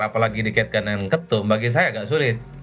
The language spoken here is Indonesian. apalagi dikaitkan dengan ketum bagi saya agak sulit